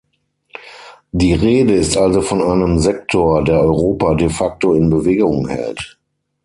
Die Rede ist also von einem Sektor, der Europa de facto in Bewegung hält.